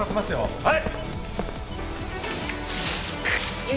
はい。